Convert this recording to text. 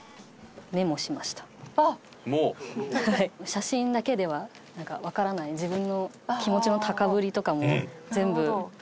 写真だけではわからない自分の気持ちの高ぶりとかも全部走り書きで。